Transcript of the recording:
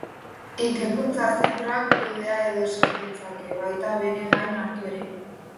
Ikerkuntza zentroak kudea edo sor ditzake, baita bere gain hartu ere.